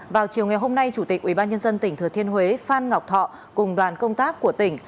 vào chiều ngày hôm nay chủ tịch ubnd tỉnh thừa thiên huế phan ngọc thọ cùng đoàn công tác của tỉnh